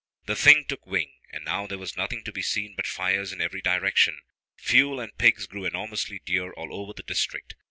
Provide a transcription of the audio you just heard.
The thing took wing, and now there was nothing to be seen but fires in every direction. Fuel and pigs grew enormously dear all over the district.